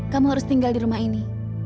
kamu harus tinggal di rumah ini